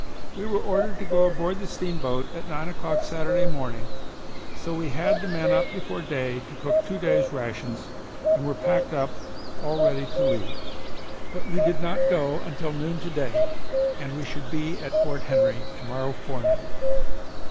We were ordered to go aboard the steamboat at nine o'clock Saturday morning, so we had the men up before day to cook two days' rations and were packed up all ready to leave. But we did not go until noon to day and we should be at Fort Henry to morrow forenoon.